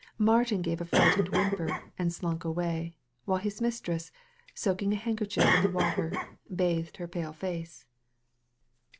Martin gave a frightened whimper and slunk away; while his mistress, soaking a hand kerchief in the water, bathed her pale face.